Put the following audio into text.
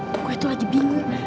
buku itu lagi bingung